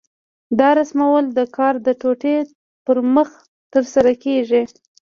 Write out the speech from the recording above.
دا رسمول د کار د ټوټې پر مخ ترسره کېږي.